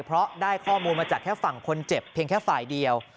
เพราะได้ข้อมูลมาจากแค่ฝั่งคนเจ็บเพียงแค่ฝ่ายเดียว